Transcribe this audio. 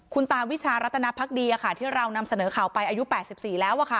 คุณตามวิชารัฐนาภักดีอะค่ะที่เรานำเสนอข่าวไปอายุแปดสิบสี่แล้วอะค่ะ